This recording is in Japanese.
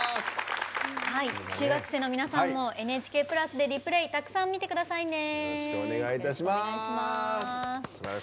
中学生の皆さんも「ＮＨＫプラス」で「Ｒｅｐｌａｙ」たくさん見てくださいね。